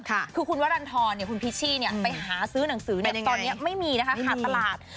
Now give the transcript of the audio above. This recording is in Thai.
คือคุณวรรณฑรคุณพิชชี่ไปหาซื้อหนังสือตอนนี้ไม่มีนะคะขาดตลาด